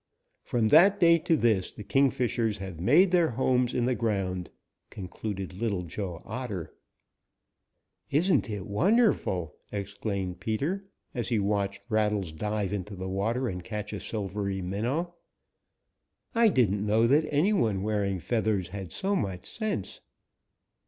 From that day to this the Kingfishers have made their homes in the ground," concluded Little Joe Otter. "Isn't it wonderful?" exclaimed Peter, as he watched Rattles dive into the water and catch a silvery minnow. "I didn't know that any one wearing feathers had so much sense."